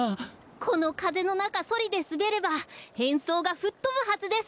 このかぜのなかソリですべればへんそうがふっとぶはずです！